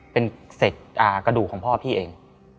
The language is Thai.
เป็นเศษกระดูกของพ่อพี่เอง